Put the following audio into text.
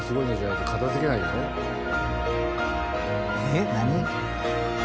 「えっ何？」